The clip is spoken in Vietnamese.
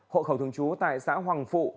hộ khẩu thường trú tại xã hoàng phụ